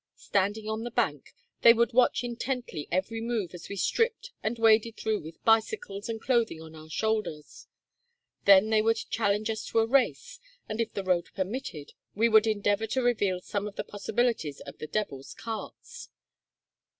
Standing on the bank, they would watch intently every move as we stripped and waded through with bicycles and clothing on our shoulders. Then they would challenge us to a race, and, if the road permitted, we would endeavor to reveal some of the possibilities of the "devil's carts."